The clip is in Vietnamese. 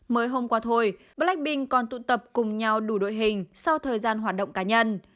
mới hôm qua thôi blackpink còn tụ tập cùng nhau đủ đội hình sau thời gian hoạt động cá nhân